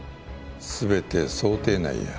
全て想定内や。